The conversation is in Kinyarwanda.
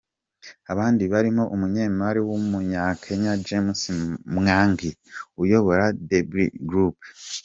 Abandi barimo umunyemari w’Umunya-Kenya, James Mwangi, uyobora, Dalberg Group.